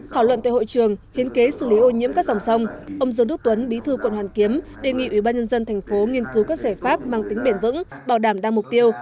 thảo luận tại hội trường hiến kế xử lý ô nhiễm các dòng sông ông dương đức tuấn bí thư quận hoàn kiếm đề nghị ủy ban nhân dân thành phố nghiên cứu các giải pháp mang tính bền vững bảo đảm đa mục tiêu